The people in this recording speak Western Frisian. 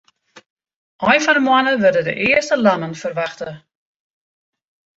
Ein fan 'e moanne wurde de earste lammen ferwachte.